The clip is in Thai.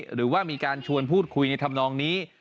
หรือว่ามีการชวนพูดคุยในธรรมนองนี้